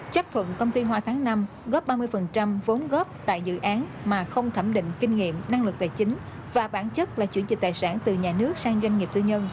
chấp thuận công ty hoa tháng năm góp ba mươi vốn góp tại dự án mà không thẩm định kinh nghiệm năng lực tài chính và bản chất là chuyển dịch tài sản từ nhà nước sang doanh nghiệp tư nhân